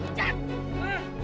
udah aja lo